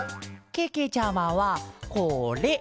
けけちゃまはこれ！